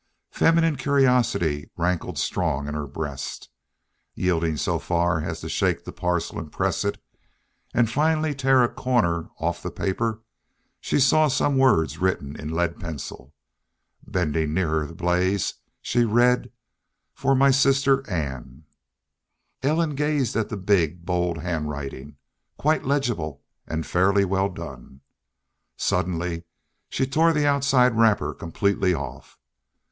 Feminine curiosity rankled strong in her breast. Yielding so far as to shake the parcel and press it, and finally tear a corner off the paper, she saw some words written in lead pencil. Bending nearer the blaze, she read, "For my sister Ann." Ellen gazed at the big, bold hand writing, quite legible and fairly well done. Suddenly she tore the outside wrapper completely off.